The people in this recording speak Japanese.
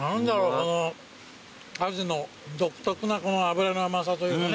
このアジの独特なこの脂の甘さというかね